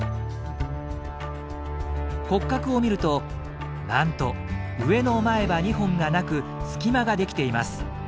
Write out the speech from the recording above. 骨格を見るとなんと上の前歯２本が無く隙間が出来ています。